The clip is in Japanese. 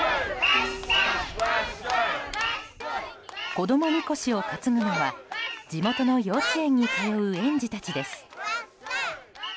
子供神輿を担ぐのは地元の幼稚園に通う園児たちです。